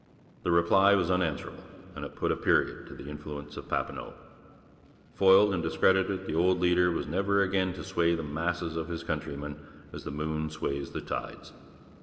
The reply was unanswerable, and it put a period to the influence of Papineau. Foiled and discredited, the old leader was never again to sway the masses of his countrymen as the moon sways the tides.